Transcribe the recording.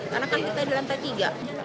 karena kan kita di lantai tiga